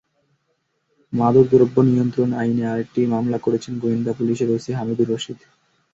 মাদকদ্রব্য নিয়ন্ত্রণ আইনে আরেকটি মামলা করেছেন গোয়েন্দা পুলিশের ওসি হামিদুর রশীদ।